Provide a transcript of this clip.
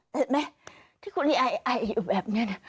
เห็นไหมที่คุณไอไออยู่แบบนี้นะ